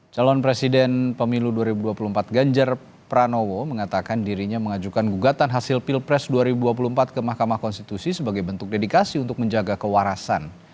calon presiden pemilu dua ribu dua puluh empat ganjar pranowo mengatakan dirinya mengajukan gugatan hasil pilpres dua ribu dua puluh empat ke mahkamah konstitusi sebagai bentuk dedikasi untuk menjaga kewarasan